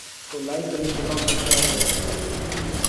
تو لائق ترین دماغ کیا جوہر دکھاتے؟